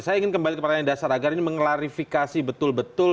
saya ingin kembali ke pertanyaan dasar agar ini mengklarifikasi betul betul